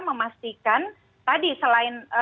memastikan tadi selain